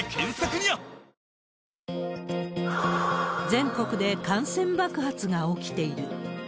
全国で感染爆発が起きている。